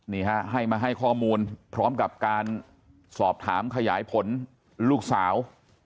นี่ฮะให้มาให้ข้อมูลพร้อมกับการสอบถามขยายผลลูกสาว